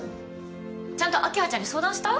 ちゃんと明葉ちゃんに相談した？